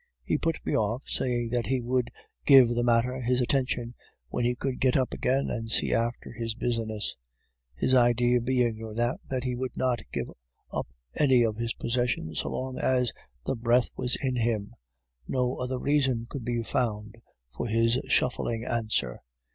He put me off, saying that he would give the matter his attention when he could get up again and see after his business; his idea being no doubt that he would not give up any of his possessions so long as the breath was in him; no other reason could be found for his shuffling answer.